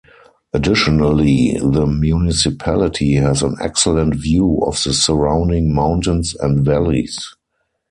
Additionally, the municipality has an excellent view of the surrounding mountains and valleys.